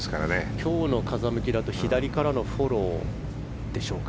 今日の風向きだと左からのフォローでしょうか。